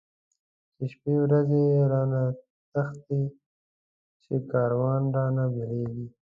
چی شپی ورځی رانه تښتی، چی کاروان رانه بيليږی